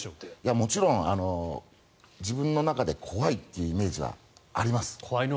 もちろん自分の中で怖いってイメージはあります。